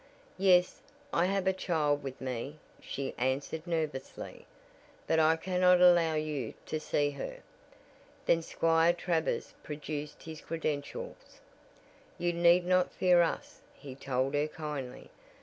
"Yes, I have a child with me," she answered nervously, "but I cannot allow you to see her." Then Squire Travers produced his credentials. "You need not fear us," he told her kindly.